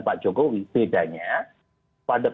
pak jokowi bedanya pada